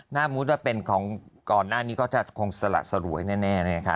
ถ้ามุติว่าเป็นของก่อนหน้านี้ก็จะคงสละสลวยแน่นะคะ